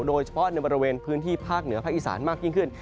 โดยเฉพาะในบริเวณพื้นที่ภาคเหนือภาคอีสานมากยิ่งขึ้น